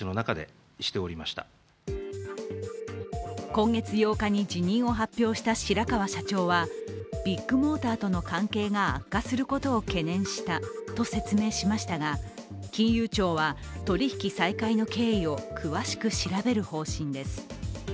今月８日に辞任を発表した白川社長はビッグモーターとの関係が悪化することを懸念したと説明しましたが金融庁は取り引き再開の経緯を詳しく調べる方針です。